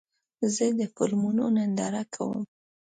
زه د فلمونو ننداره کوم.